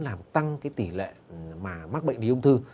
làm tăng cái tỷ lệ mà mắc bệnh lý ung thư